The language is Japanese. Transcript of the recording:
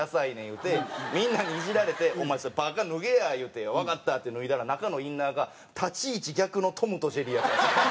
言うてみんなにイジられて「お前それパーカ脱げや」言うて「わかった」って脱いだら中のインナーが立ち位置逆のトムとジェリーやったんですよ。